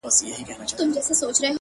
لوړ شخصیت له کوچنیو کارونو څرګندیږي